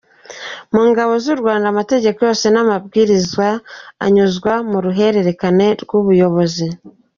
Mu Ngabo z’u Rwanda, amategeko yose n’amabwiriza anyuzwa mu ruhererekane rw’ubuyobozi.